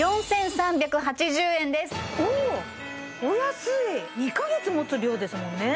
お安い２カ月持つ量ですもんね